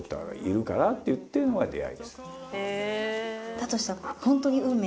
だとしたら。